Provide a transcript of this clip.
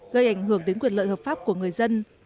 gây ảnh hưởng đến quyền lợi hợp pháp của người dân